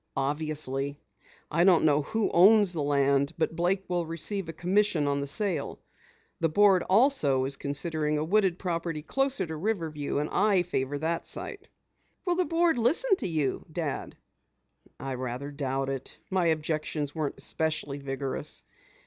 "Obviously. I don't know who owns the land, but Blake will receive a commission on the sale. The board also is considering a wooded property closer to Riverview, and I favor that site." "Will the board listen to you, Dad?" "I rather doubt it. My objections weren't especially vigorous.